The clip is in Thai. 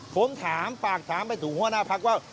ผมถามฝากถามไปถึงหัวหน้าพักว่า